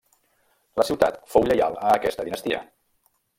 La ciutat fou lleial a aquesta dinastia.